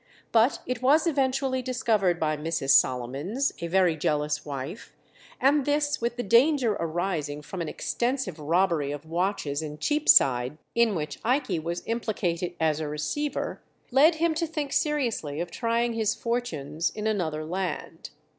But it was eventually discovered by Mrs. Solomons, a very jealous wife, and this, with the danger arising from an extensive robbery of watches in Cheapside, in which Ikey was implicated as a receiver, led him to think seriously of trying his fortunes in another land.